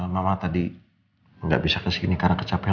mama tadi gak bisa ke sini karena kecapnya